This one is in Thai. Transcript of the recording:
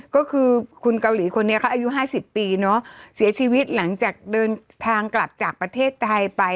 ก็คือคุณเกาหลีคนนี้เขาอายุ๕๐ปีเนอะเสียชีวิตหลังจากเดินทางกลับจากประเทศไทยไป